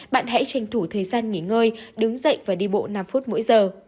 bạn hãy tranh thủ thời gian nghỉ ngơi đứng dậy và đi bộ năm phút mỗi giờ